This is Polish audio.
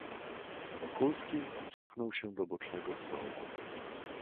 "Wokulski cofnął się do bocznego stołu."